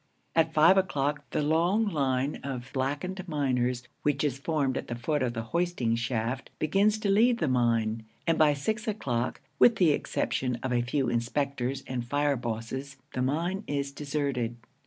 At five o'clock the long line of blackened miners which is formed at the foot of the hoisting shaft begins to leave the mine; and by six o'clock, with the exception of a few inspectors and fire bosses, the mine is deserted.